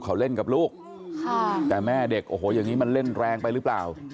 เขาเล่นกับลูกค่ะแต่แม่เด็กโอ้โหอย่างนี้มันเล่นแรงไปหรือเปล่า